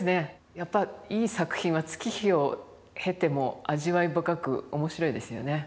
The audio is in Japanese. やっぱりいい作品は月日を経ても味わい深く面白いですよね。